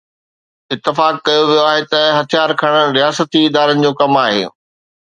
اتفاق ڪيو ويو آهي ته هٿيار کڻڻ رياستي ادارن جو ڪم آهي.